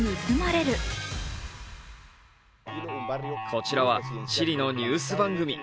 こちらはチリのニュース番組。